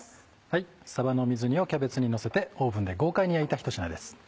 はいさばの水煮をキャベツにのせてオーブンで豪快に焼いた一品です。